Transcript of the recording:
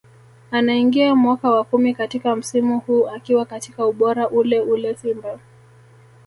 Anaingia mwaka wa kumi katika msimu huu akiwa katika ubora ule ule Simba